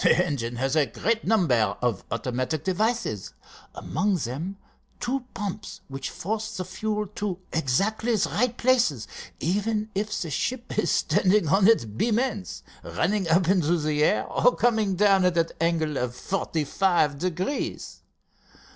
The engine has a great number of automatic devices, among them two pumps which force the fuel to exactly the right places, even if the ship is standing on its beam ends, running up into the air or coming down at an angle of forty five degrees.